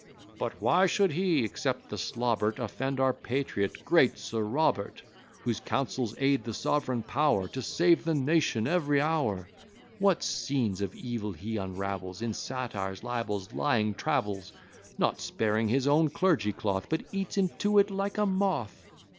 "But why should he, except he slobber't, Offend our patriot, great Sir Robert, Whose counsels aid the sov'reign power To save the nation every hour? What scenes of evil he unravels In satires, libels, lying travels! Not sparing his own clergy cloth, But eats into it, like a moth!"